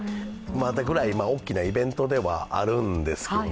そのくらい大きなイベントではあるんですね。